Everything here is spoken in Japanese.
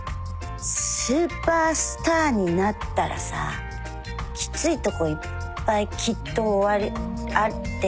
スーパースターになったらさきついとこいっぱいきっとあって。